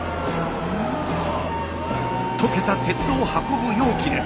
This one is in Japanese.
溶けた鉄を運ぶ容器です。